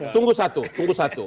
tunggu satu tunggu satu